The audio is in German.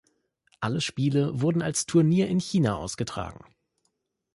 Alle Spiele wurden als Turnier in China ausgetragen.